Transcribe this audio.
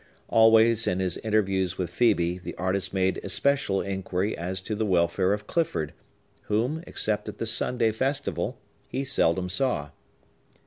Always, in his interviews with Phœbe, the artist made especial inquiry as to the welfare of Clifford, whom, except at the Sunday festival, he seldom saw.